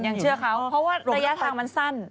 ยังเชื่อเขาเพราะว่าระยะทางมันสั้น